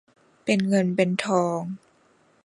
เป็นเงินเป็นทอง